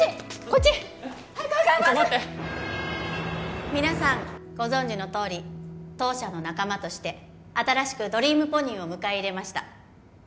こっち早く早く早くちょっと待って皆さんご存じのとおり当社の仲間として新しくドリームポニーを迎え入れました